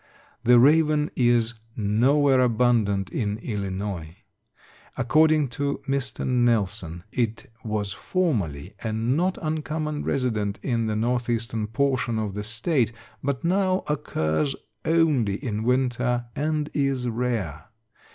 The raven is nowhere abundant in Illinois. According to Mr. Nelson, it was formerly a not uncommon resident in the northeastern portion of the state, but now occurs only in winter and is rare.